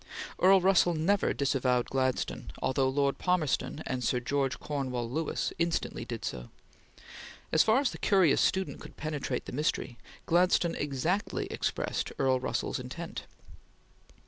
Earl Russell never disavowed Gladstone, although Lord Palmerston and Sir George Cornewall Lewis instantly did so. As far as the curious student could penetrate the mystery, Gladstone exactly expressed Earl Russell's intent.